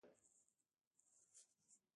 د جغرافیې فرضیه